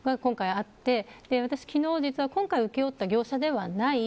今回あって、私昨日、実は今回、請負った業者ではない。